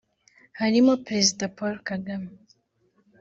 harimo Perezida Paul Kagame